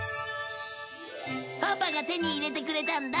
パパが手に入れてくれたんだ。